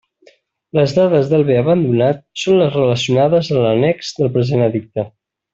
Les dades del bé abandonat són les relacionades a l'annex del present Edicte.